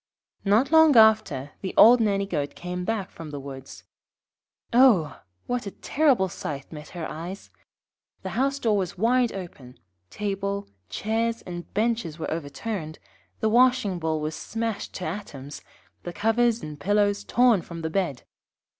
Not long after the old Nanny goat came back from the woods. Oh! what a terrible sight met her eyes! The house door was wide open, table, chairs, and benches were overturned, the washing bowl was smashed to atoms, the covers and pillows torn from the bed.